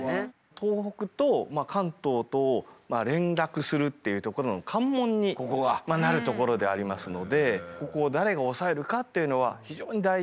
東北と関東とを連絡するっていうところの関門になるところでありますのでここを誰がおさえるかっていうのは非常に大事。